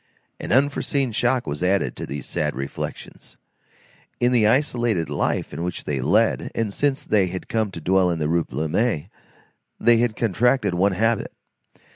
An unforeseen shock was added to these sad reflections. In the isolated life which they led, and since they had come to dwell in the Rue Plumet, they had contracted one habit.